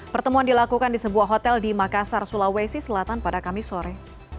pertemuan dilakukan di sebuah hotel di makassar sulawesi selatan pada kamis sore